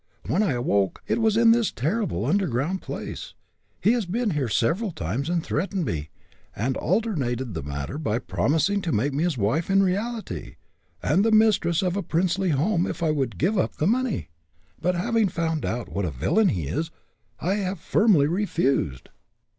When I awoke, it was in this terrible underground place. He has been here several times, and threatened me, and alternated the matter by promising to make me his wife in reality, and the mistress of a princely home if I would give up the money. But, having found out what a villain he is, I have firmly refused."